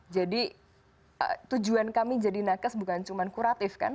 tujuan kami jadi nakes bukan cuma kuratif kan